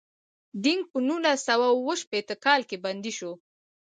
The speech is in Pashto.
دینګ په نولس سوه اووه شپیته کال کې بندي شو.